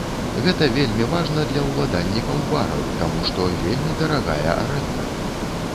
Гэта вельмі важна для уладальнікаў бараў, таму што вельмі дарагая арэнда.